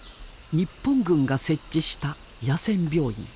日本軍が設置した野戦病院。